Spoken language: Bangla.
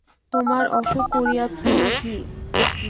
তোমার অসুখ করিয়াছে না কী?